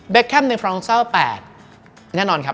เบคแคมในฟรองเซลล์๘แน่นอนครับ